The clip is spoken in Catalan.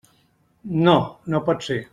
No, no pot ser.